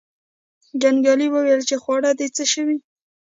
جنګیالي وویل چې خواړه دې څه شو.